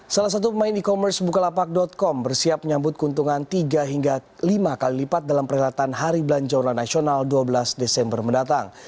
salah satu pemain e commerce bukalapak com bersiap menyambut keuntungan tiga hingga lima kali lipat dalam perhelatan hari belanja online nasional dua belas desember mendatang